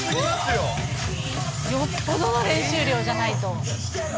よっぽどの練習量じゃないと。